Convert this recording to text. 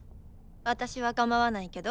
私はかまわないけど？